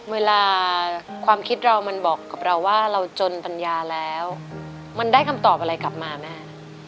เวลาความคิดเรามันบอกกับเราว่าเราจนปัญญาแล้วมันได้คำตอบอะไรกลับมาแม่